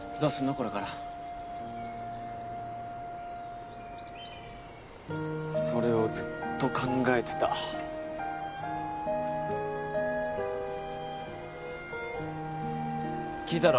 これからそれをずっと考えてた聞いたろ